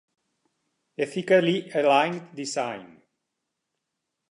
"Ethically Aligned Design".